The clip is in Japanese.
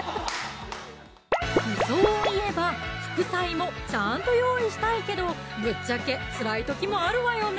理想をいえば副菜もちゃんと用意したいけどぶっちゃけつらい時もあるわよね